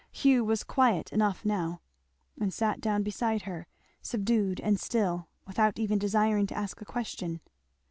Hugh was quiet enough now, and sat down beside her, subdued and still, without even desiring to ask a question.